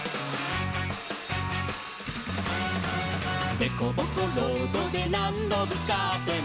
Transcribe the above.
「でこぼこロードでなんどぶつかっても」